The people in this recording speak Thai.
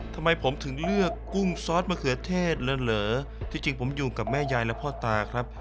ทำไมผมถึงเลือกกุ้งซอสมะเขือเทศเหลือที่จริงผมอยู่กับแม่ยายและพ่อตาครับ